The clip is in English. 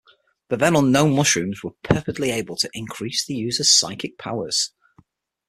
The then-unknown mushrooms were purportedly able to increase the user's psychic powers.